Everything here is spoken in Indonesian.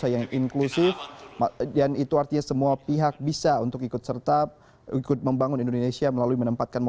yang kita pakai untuk mengikuti yang berkualitas